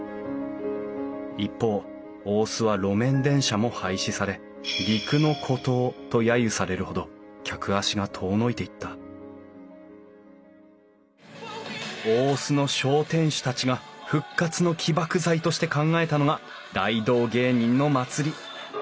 一方大須は路面電車も廃止され陸の孤島とやゆされるほど客足が遠のいていった大須の商店主たちが復活の起爆剤として考えたのが大道芸人の祭り。